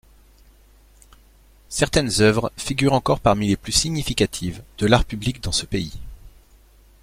Certaines œuvres figurent encore parmi les plus significatives de l'art public dans ce pays.